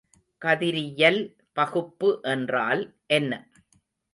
கதிரியல் பகுப்பு என்றால் என்ன?